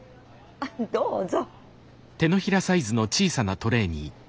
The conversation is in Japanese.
どうぞ。